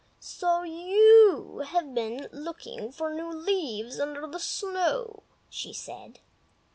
"So you have been looking for new leaves under the snow!" she said.